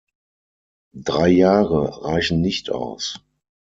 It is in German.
Drei Jahre reichen nicht aus.